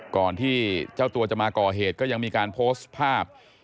ก่อนที่เจ้าตัวจะมาก่อเหตุก็ยังมีการโพสต์ภาพ